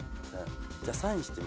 じゃあサインして。